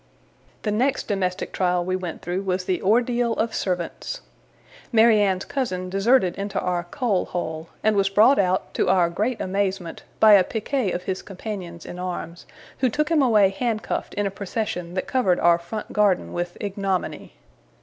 The next domestic trial we went through, was the Ordeal of Servants. Mary Anne's cousin deserted into our coal hole, and was brought out, to our great amazement, by a piquet of his companions in arms, who took him away handcuffed in a procession that covered our front garden with ignominy.